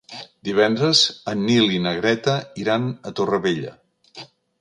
Divendres en Nil i na Greta iran a Torrevella.